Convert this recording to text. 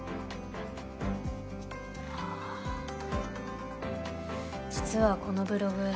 ああ実はこのブログ